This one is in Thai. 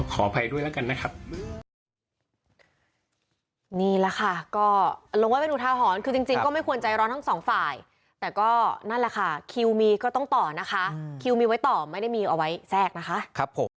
อภัยด้วยแล้วกันนะครับ